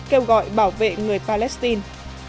kêu gọi bảo vệ người palestine